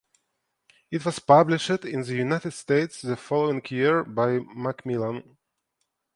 It was published in the United States the following year by Macmillan.